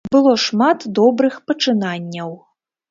Было шмат добрых пачынанняў.